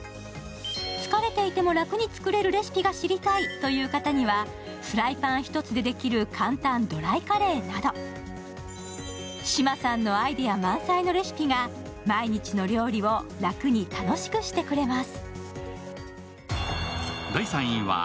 疲れていても楽に作れるレシピが知りたいという方にはフライパン１つでできる簡単ドライカレーなど、志麻さんのアイデア満載のレシピが毎日の料理をラクに楽しくしてくれます。